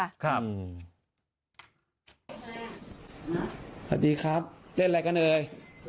สวัสดีครับเล่นอะไรกันเอ่ย